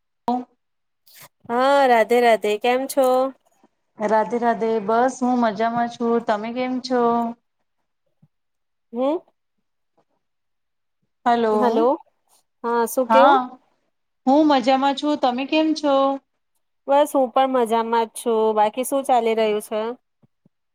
[inaudible] હા રાધે રાધે. તે કેમ છો. અે બસ હું મજામાં છું તમે કેમ છો. હમ. હલો હેલો હા શું હા કેવું. હું મજામાં છું તમે કેમ છો. બસ હું પણ મજામાં જ છું બાકી શું ચાલી રહ્યું છે.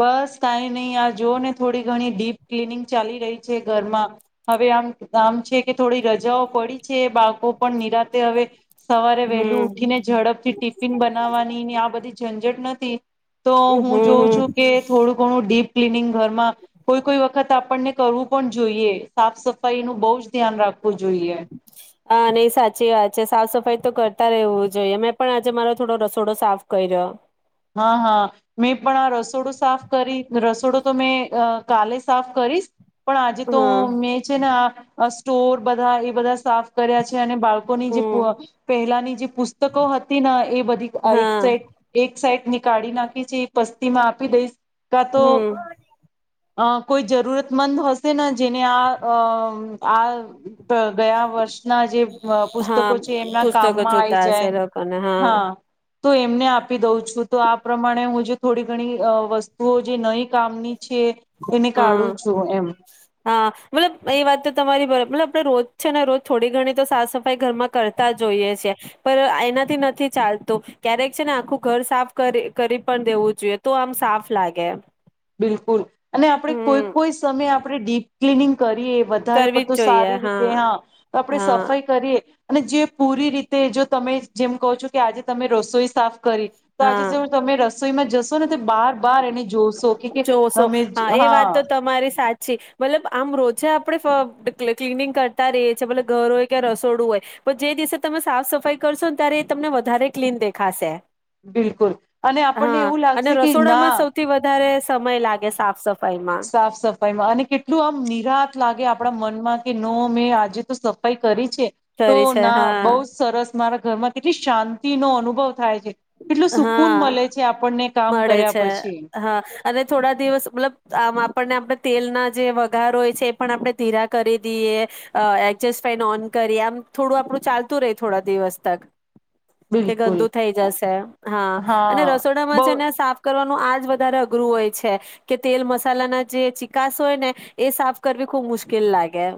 બસ કાઈ નહી આ જોઓ ને થોડી ઘણી ડીપ ક્લીનિંગ ચાલી રહી છે ઘરમાં હવે આમ આમ છે કે થોડી રજાઓ પડી છે બાળકો પણ નિરાતે હવે. સવારે વહેલું હમ ઉઠીને ઝડપ થી ટિફિન બનાવવાની ની આ બધી ઝંઝટ નથી. તો હમ હું જોઉં છું. હમ થોડુંણું. ડીપ ક્લીનિંગ ઘરમાં કોઈ કોઈ વખત આપણને કરવું પણ જોઈએ સાફ સફાઈ નું બહ જ ધ્યાન રાખવું જોઈએ. હ નહી સાચી વાત છે સાફ સફાઈ તો કરતા રહેવું જોઈએ મેં પણ આજે મારો થોડો રસોડો સાફ કર્યો. હહ હહ મેં પણ આ રસોડું સાફ કરી રસોડું તો મેં અ કાલે સાફ કરીશ. પણ આજે તો હમ મેં છે ને આ અસ સ્ટોર બધાં એ બધાં સાફ કર્યા છે અને બાળ કોની જે હમ પહેલાની જે પુસ્તકો હતી ન એ બધી આ એક હા સાઈડ એક એક સાઈડ નીકાળી નાખી છે ઈ પસ્તી માં આપી દઈશ. કાં તો હમ અ કોઈ જરૂરતમંદ હશેને જેને આ અ આ ગયા વર્ષના જે અ હા પુસ્તકો છે એમના પુસ્તકો કામમાં આઈ જોતા જાય હશે લોકોને હા તો એમને આપી દઉં છું તો આ પ્રમાણે હું જે થોડી ઘણી અ વસ્તુઓ જે નઈ કામની છે એને હા કાઢું છું એમ હા મતલબ એ વાત તો તમારી બરાબર મતલબ આપણે રોજ છે ને રોજ થોડી ઘણી તો સાફ સફાઈ ઘરમાં કરતાં જ હોઈએ છીએ પણ એનાથી નથી ચાલતું ક્યારેક છે ને આખું ઘર સાફ કરી કરી પણ દેવું જોઈએ તો આમ સાફ લાગે બિલકુલ અને આપણે કોઈ હમ કોઈ સમય આપણે ડીપ ક્લીનીંગ કર કે વધારે કરવી પડતો જ જોઈએ સારી રીતે હા આપણેે હા સફાઈ કરીએ અને જે પૂરી રીતે જો તમે જેમ કહો છો કે આજે તમે રસોઈ સાફ કરી તો આજે હા જો તમે રસોઈમાં જસ તો ને તે બાર બાર એને જોશો કે કે જોશો અમે હા એ વાત તો તમારી સાચી મતલબ આમ રોજે આપણે ફ ક્લીનિંગ કરતાં રહીએ છીએ ભલે ઘર હોય કે રસોડું હોય તો જે દિવસે તમે સાફ સફાઈ કરશો ને ત્યારે એ તમને વધારે ક્લીન દેખાશે. બિલકુલ અને આપણને હા એવું અને લાગશે કે રસોડામાં ના સૌથી વધારે સમય લાગે સાફ સફ સાફ સફાઈમાં અને કેટલું આમ નિરાત લાગે આપણા મનમાં કે નો મેં આજે તો સફાઈ કરી છે તો કરી છે ના બહુ હા સરસ મારા ઘરમાં કેટલી શાંતિનો અનુ બોવ થાય છે કેટલું સુકૂન હા મળે છે આપણને કામ મળે કર્યા છે પછી હા અને થોડા દિવસ મતલબ આમ આપ આપણને આપણે તેલના જે વઘાર હોય છે એ પણ આપણે ધીરા કરી દઈએ અ એડજસ્ટ ફેન ઓન કરીએ આમ થોડું આપણું ચાલતું રહે થોડા દિવસ તક કે બિલકુલ ગંદુ થઈ જશે. હા અને રસોડામાં છે બહુ ને સાફ કર વાનું આજ વધારે અઘરું હોય છે કે તેલ મસાલાના જે ચિકાસ હોય ને એ સાફ કરવી ખૂબ મુશ્કેલ લાગે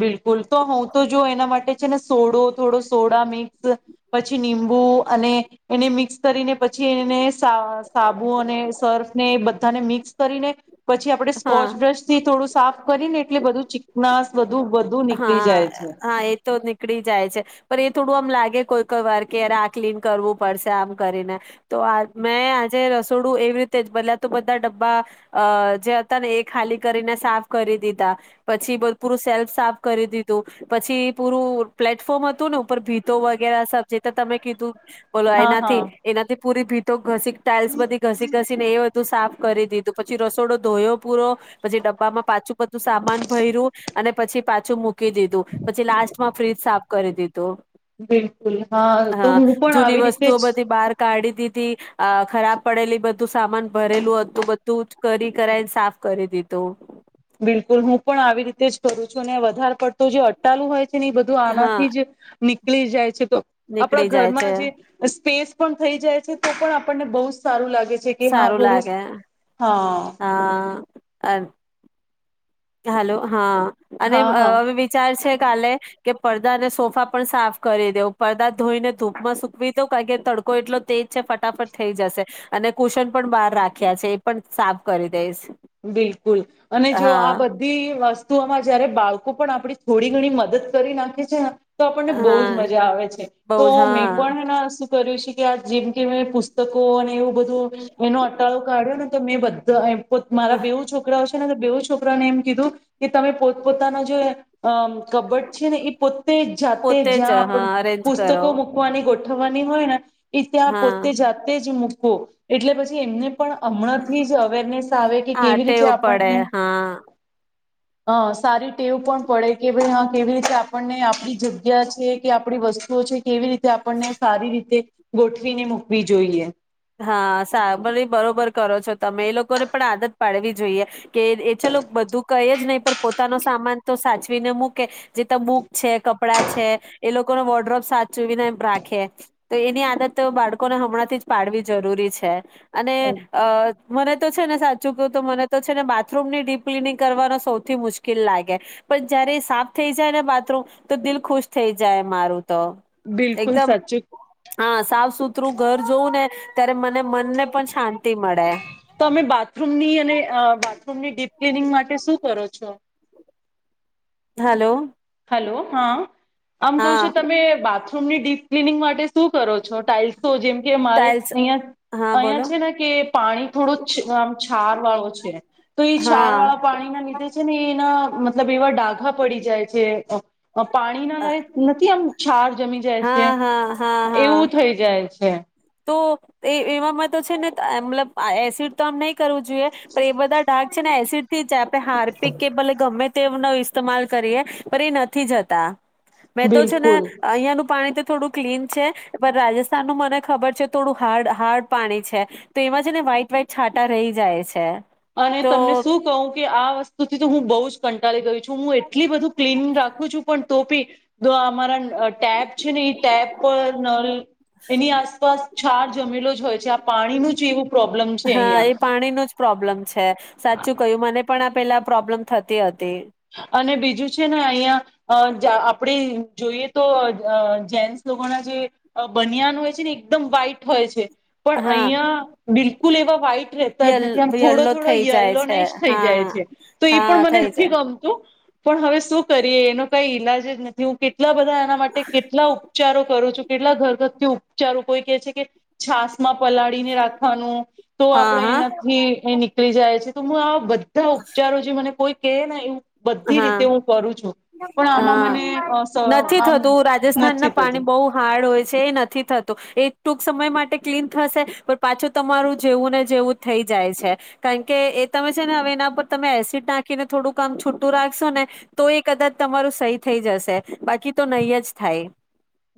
બિલકુલ તો હું તો જો એના માટે છે ને સોડો થોડો સોડા મિક્સ પછી નિમ્બુ અને એને મિક્સ કરીને પછી એને સા સાબુ અને સર્ફ ને એ બધ ને મિક્સ કરીને. પછી આપડણે હા સ્કોચ બ્રશ થી થોડું સાફ કરીને એટલે બધું ચ. નાસ્. બું બધું નીકળી હા જાય છે. હા એ તો નીકળી જાય છે પણ એ થોડું આમ લાગે કોઈ કોઈ વાર કેય આ ક્લીન કરવું પડશે આમ કરીને. તો આ મેં આજે ર. થોડું એવી રીતેલા તો બધા ડબ્બા અ જે હતા ને એ ખાલી કરીને સાફ કરી દીધા પછી પૂરું સેલ્ફ સાફ. કરી દીધું પછી પૂરું પ્લેટફોર્મ હતું ને ઉપર ભીત. તો વગેરે સ જે તો તમે કીધું બોલો હા એનાથી હા એનાથી. પૂરી ભીતકો. ઘસી ટાઈલ્સ બધી ઘસી ઘસીને એ. સાફ કરી દીધું પછી રસોડો ધોયો પૂરો પછી ડબ્બામાં પાછું બધું સામાન ભરર્યું અને પછી. પાછું મૂકી દીધું પછી લાસ્ટમાં ફ્રીજ સાફ કરી દીધું. બિલકુલ હા તો હું પણ જૂની આવી રીતે વસ્તુઓ જ. બધી બહાર કાઢી દીધી અ ખરાબ પડેલી બધું સામાન ભરેલું હતું બધું કરી કરાઈ સાફ કરી દીધું. બિલકુલ હું પણ આવી રીતે જ કરું છું ને વધારે પડતો જે અટ્ટાલું હોય છે. બધું હા આનાથી જ. ભૂલી જાય છે. નીકળી આપણા જાય ઘરમાં છે જે સ્પેસ પણ થઈ જાય છે તો પણ આપણને બહ સારું લાગે. કે હા સારું થોડું લાગે હા. હા અ હલો હા. અને હા હા હવે વિચાર છે કાલે કે પડદા અને સોફા પણ સાફ કરી દેવ પડદા ધોઈને ધૂપમાં સુકવી દઉ કારણ કે તડકો એટલો તેજ છે ફટાફટ થઈ જશે અને કુશન પણ બહાર રાખ્યા છે એ પણ સાફ કરી દઈશ. બિલકુલ અને જો હા આ બધા બધી વસ્તુઓમાં જયારે બાળકો પણ આપણી થોડી ઘણી મદદ કરી નાખે છે ને તો આપણને બહુ જ હા મજા આવે છે બઉ તો જ મેં હા પણના કર્યું છે કે આ જેમ કે મે પુસ્તકો અને એવું બધું એનો અટાળો કાઢ્યો ને તો મેં બધા એમ પણ મારા બેવું છોકરાઓ બેવ છોકરાને એમ કીધું કે તમે પોત પોતાનો જે અ કબડ છે ને એ પોતે જાતે પોતે જ જ્યાં આપ હા અરેન્જ કરો પુસ્તકો મૂકવાની ગો થવાની હોય ને ત્યા હા પોતે જાતે જ મુ એટલે પછી એમને પણ હમણાંથી જ અવેરનેસ આવે કે હા કેવી રીતે તેવું પડે હા. હ સારી ટેવું પણ પડે કે ભાઈ હા કેવી રીતે આપણને આપડી જગ્યા છે કે આપણી વસ્તુઓ છે. કેવી રીતે આપણને સારી રીતે ગોઠવીને મૂકવી જોઈએ. હા સાભળ બરોબર કરો છો તમે એ લોકોને પણ આદત પાડવી જોઈએ કે એ ચલો બધું કય જ નહીં પણ પોતાનો સામાન તો સાચવીને મૂકે. જે બુક છે. કપડા છે એ લોકો વોર્ડ્રોપ સા ચૂવી ના એમ રાખે. તો એની આદત તો બાળકોને હમણાંથી જ પાડવી જરૂરી છે. અને અ મને તો છે ને સાચું કું તો મને તો છે ને બાથરૂમ ની ડીપ ક્લીનિંગ કરવાનો સૌથી મુશ્કેલ લાગે પણ જયારે એ સાફ થઈ જાય ને બાથરૂમ તો દિલ ખુશ થઈ જાય મારું. તો બિલકુલ એકદમ સાચું હા સાફ સુથરું ઘર ને ત્યારે મને મનને પણ શાંતિ મળે. તમે બાથરૂમની અને બાથરૂમની ડીપ ક્લીનિંગ માટે શું કરો છો. હલો. હલો હા. આમ કઉ હા છે તમે વાત. ન [unintelligible] આપ શું કરો છો ટાાઈલ્સો જેમ કે મારે ટાઇલ્સ અહિયાં હા અહિયાં બોલો છે ને કે પાણી થોડો આમ છાર વાળો છે તો એ છાર હા વાળા પાણી ના લીધે છે ને એના. મતલબ એવો ડા. આવા પડી જાય. [unintelligible] પાણી ના લાયક નથી આમ છાર જમી જાય છે હા હા હા હા એવું થઈ જાય છે. હા. તો એ એવામાં તો છે ને મતલબ એસિડ તો આમ નહી કરવું જોઈએ પણ એ બધા ઢાક છે ને એસિડ થી. તહ હાર પિક કે ભલે ગમે. તે ન ઇસ્તેમાલ કરીએ પણ એ નથી જતા. મેં તો છે ને બિલકુલ અહિયાયાનું પાણી. થોડું ક્લીન છે પણ રાજસ્થાન નું મને. ખબર છે થોડું હાર્ડ હાર્ડ પાણી છે તો એમાં છે ને વ્હાઈટ વ્હાઈટ છાટા રહી જાય છે. અને તો તમને શું કહું કે આ વસ્તુથી તો હું. બહુ કંટાી ગયું છે. હું એટલી બધું ક્લીન રાખું છું પણ. તોપી દો અમારા ટેબ છે ને એ ટેપ પર નલ એની આસપાસ છાર જમેલો જ હોય છે આ પાણીનું જ એવું પ્રોબ્લેમ છે હા અહિયાં એ પાણીનો જ પ્રોબ્લમ. છે સાચું કયું મને પણ આ પેલા પ્રોબ્લેમ થતી હતી. અને બીજું છે ને અહિયાં અહ આપડે જોઈએ તો અહ અહ જેન્ટસ લોકોના જે બનિયાન હોય છે ને એકદમ વહાઈટ હોય છે. પણ હા અહીંયા બિલ ફૂલ એવા વાઈટ રેહતાજ યલ નથી આમ થોડો યલ્લો થોડો થઈ જાય યલોને છે જ થઈ જાય હા છે તો એ પણ હા મને થઈ નથી જાય ગમ પણ હવે શું કરીએ એનો કઈ ઈલાજ નથી હું કેટ કેટલા બધા એના માટે કેટલા ઉપચારો કરું છું. કેટલા ઘરઘંતી ઉપચારો કોઈ કહે છે કે છાસ માં પલાળીને રાખવાનું તો હા આપડે હા એનાથી એ નીકળી જાય છે. તો હું આ બદ બધા ઉપચારો જે મને કોઈ કે નહી. હા આમાં હા મને અ સ નથી આમ થતું રાજસ્થાન ના નથી પાણી થતું બહુ હાર્ડ હોય છે નથી થતું એ ટૂંક સમય માટે ક્લીન થશે પણ પાછું તમારું જેવું ને જેવું થઈ જાય છે, કારણ કે એ તમે છે ને હવે એના પર તમે એસિડ નાખીને થોડું કામ છુ ટું રાખશો ને તો એ કદાચ તમારું સહી થઈ જશે બાકી તો નહી જ થાય.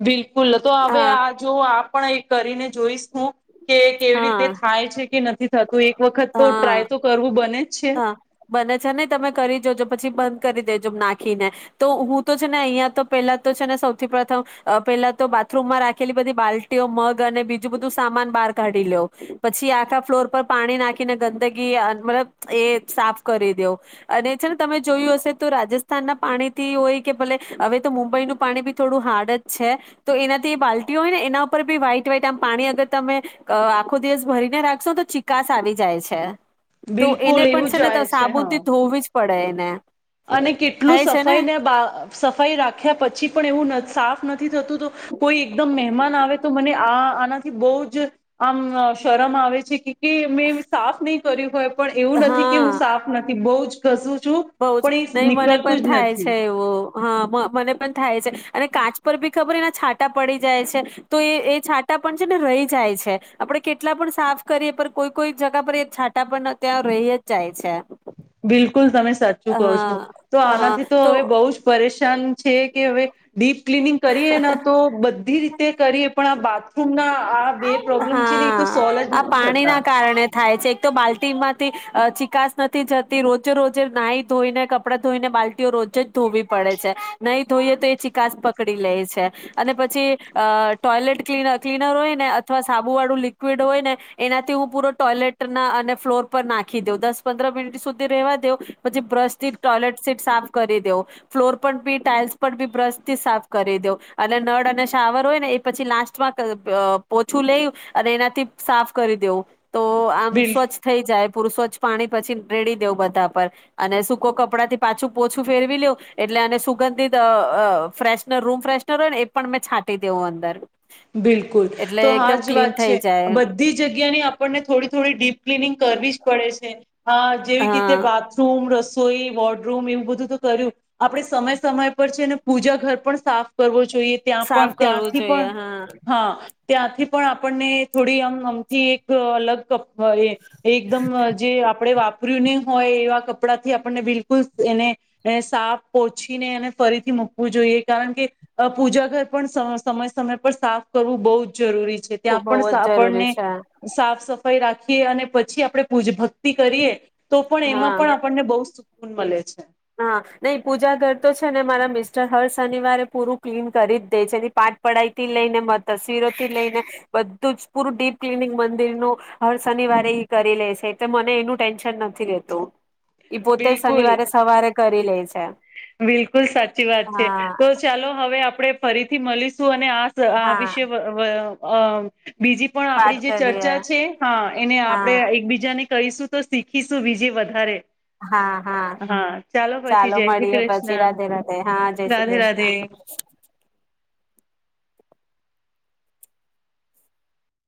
બિલકુલ તો હવે હા આ જો આપન એક કરીને જોઈશ હું. કે કેવી હા રીતે થાય છે કે નથી તો એક વખત તો હા ટ્રાય તો કરવું બને. છે હા બને છે ને તમે કરી જોજો પછી બ બંદ કરી દેજો નાખીને તો હું તો છે ને અહિયાં તો પેલા તો છે ને સૌથી પ્રથમ અહ પેલા તો બાથરૂમમાં રાખેલી બધી બાલ્ટઓ, મગ અને બીજું બધું સામાન બહાર કાઢી લેવ, પછી આખા ફ્લોર પર પાણી નાખીને ગંદગી મતલબ એ સાફ કરી દેવ અને છે ને તમે જોયું હશે તો રાજસ્થાનના પાણીથી હોય કે ભલે હવે તો મુંબઈનું પાણી બી થોડું હાર્ડ જ છે, તો એનાથી બાલ્ટીઓ હોય ને એના ઉપર બી વ્હાઈટ વ્હાઈટ આમ પાણી અગર તમે આખો દિવસ ભરીને રાખશોને તો ચિકાસ આવી જાય છે. તો એને બિલકુલ પણ એવું છે ને ત જાય સાબુન હા થી ધોવી જ પડે એને. અને કેટલું થાય છે સફાઈ ને બા સફાઈ રાખ્યા પછી પણ એવુંન સાફ ન નથી થતું તો કોઈ એકદમ મહેમાન આવે તો મને આ આનાથી બહુ જ આમ શરમ આવે છે કે કે મેં સાફ નહી કર્યું હોય પણ એવું નથી કે હું હા સાફ નથી બઉ જ [unintelligible] ચૂપ. બઉ નહી મને પણ થાય છે. એવો હા મને પણ થાય છે. અને કાચ પર બી ખબર, એના છાંટા પડી જાય છે. તો એ એ છાંટા પણ રહી જાય છે. આપણે કેટલા પણ સાફ કરીએ, છતાં કોઈ-કોઈ જગ્યા પર એ છાંટા ત્યાં રહી જ જાય છે. બિલકુલ, તમે- સાચું કહું છું, તો હા હા આનાથી તો હવે બહુ જ પરેશાન છે કે હવે ડીપ ક્લીનિંગ કરીએ, ના તો બધી રીતે કરીએ આપણા તો હા, સોલ્વ જ આ નથી પાણીના થતા કારણે થાય છે. એક તો બાલ્ટીમાં ચીકાશ નથી જતી. રોજે-રોજ નાહી-ધોઈને, કપડાં ધોઈને, બાલ્ટીઓ પણ રોજ જ ધોવી પડે છે. નહીં ધોઈએ, તો એ ચીકાશ પકડી લે છે. અને પછી ટોયલેટ ક ક્લીનર હોય ને અથવા સાબુ વાળું લિક્વિડ હોય ને એનાથી હું પૂરો ટોયલેટના અને ફ્લોર પર નાખી દઉ દસ પંદર મિનિટ સુધી રેવા દઉ પછી બ્રશથી ટોયલેટ સીટ સાફ કરી દેઉં ફ્લોર પર બી ટાઈલ્સ પર બી બ્રશથી સાફ કરી દેઉ અને નળ અને શાવર હોય ને એ પછી લાસ્ટ પોછું લેય અને એનાથી સાફ કરી દેવું. તો આમ બિલકુલ સ્વચ્છ થઈ જાય. પુરુ સ્વચ્છ પાણી પછી રેડી દેવ બધા પર અને સૂકો કપડાં થી પાછું પોછું ફેરવી લેવ એટલે અને સુગંધિત ફેશનર રૂમ ફ્રેશનર હોય ને એ પણ મેં છાંટી દેઉું અંદર. બિલકુલ એટલે તો હા એકદમ જ વાત ક્લીન થઈ છે. જાય બધી જગ્યાની આપણને થોડી-થોડી ડીપ ક્લીનિંગ કરવી જ પડે છેને હા જેવી કેતે હા બાથરૂમ રસ સોઈ વોડરૂમ એવું બધું તો કર્યું, આપડે સમય સમય પણ ને પૂજા ઘર પણ સાફ કરવો જ જોઈએ ત્યાં પણ સાફ કરવું ત્યાંથી પણ જોઈએ હા હા. ત્યાંથી પણ આપણને થોડી આમ અમથી એક અલગ એ એકદમ જે આપણેે વા પર્યું ને હોય એવા કપડા થી આપણને બિલકુલ એને સાફ ઓછીને એને ફરીથી મૂકવું જોઈએ, કારણ કે પૂજા ઘર પણ સ સમય-સમય સાફ કરવું બહુ જ જરૂરી છે. ત્યાં ખુબ બહુ પણ જ જરૂરી આપણને છે સાફ સફ રાખીએ અને પછી આપણે પૂજ ભક્તિ કરીએ તો પણ એમાં પણ હા આપણને બહું સ કુન મલે છે. હા જ હર શનિવારે પૂરું ક્લીન કરી જ દે છે, એની પાઠ પઢાઈ થી લઈને મ તસવીરો થી લઈને બધું જ પૂરું ડીપ ક્લીનિંગ મંદિરનું હર શનિવારે કરી ઈ લે છે. એટલે મને એનું ટેન્શન નથી રહેતું. ઈ પોતે બિલકુલ શનિવારે સ કરી લે છે. બિલકુલ સાચી વાત છે. હા તો ચાલો હવે આપડે ફરીથી મલીશું અન અને આજ આ હા વિશે વ વ અહ બીજી પણ આપડી વાત જે કરીએ ચર્ચા છે, હા એને આપણે હા એકબીજાને કરીશું. તો શીખીશું બીજી વધારે. હા, હા પછી ચાલો જય મળ શ્રી પ્રિય પછી કૃષ્ણ રાધે રાધે હા જય શ્રી રાધે રાધે કૃષ્ણ.